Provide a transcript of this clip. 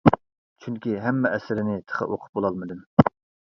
چۈنكى ھەممە ئەسىرىنى تېخى ئوقۇپ بولالمىدىم.